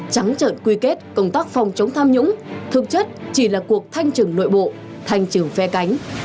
trắng trợn quy kết công tác phòng chống tham nhũng thực chất chỉ là cuộc thanh trừng nội bộ thanh trừng phe cánh